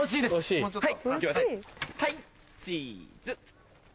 はいチズ。